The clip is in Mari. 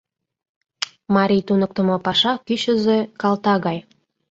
Марий туныктымо паша кӱчызӧ калта гай.